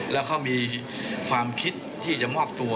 แล้วเขามีความคิดที่จะมอบตัว